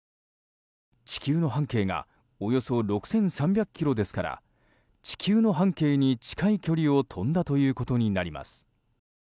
地球の半径がおよそ６３００ｋｍですから地球の半径に近い距離を飛んだということになります。